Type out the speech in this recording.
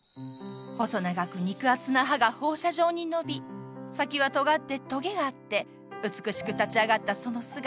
細長く肉厚な葉が放射状に伸び先はとがってトゲがあって美しく立ち上がったその姿。